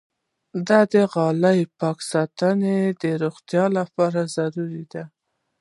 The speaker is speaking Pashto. د غالۍ پاک ساتنه د روغتیا لپاره ضروري ده.